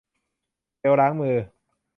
เจลล้างมือ